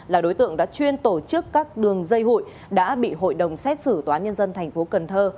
là đối tượng đã chuyên tổ chức các đường dây hụi đã bị hội đồng xét xử tòa nhân dân thành phố cần thơ